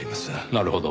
なるほど。